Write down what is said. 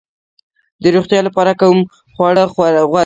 د روغتیا لپاره کوم خواړه غوره دي؟